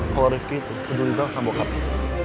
kalo rifki itu peduli banget sama bokapnya